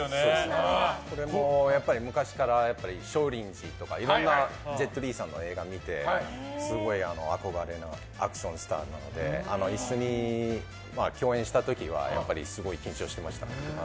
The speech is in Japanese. これも昔から「少林寺」とかいろんなジェット・リーさんの映画を見てすごい憧れのアクションスターなので一緒に共演した時はすごい緊張してましたね。